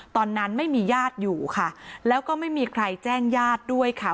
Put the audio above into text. ตอนนั้นไม่มีญาติอยู่ค่ะแล้วก็ไม่มีใครแจ้งญาติด้วยค่ะ